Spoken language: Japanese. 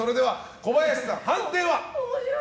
小林さん、判定は？